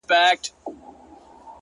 • مرغۍ الوتې وه؛ خالي قفس ته ودرېدم ؛